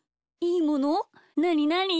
なになに？